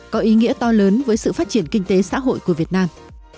có ý nghĩa to lớn với sự phát triển kinh tế xã hội của việt nam